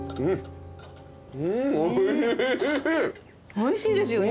おいしいですよね。